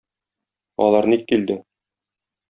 Алар ник килде?